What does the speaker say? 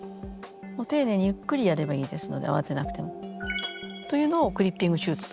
丁寧にゆっくりやればいいですので慌てなくても。というのをクリッピング手術と。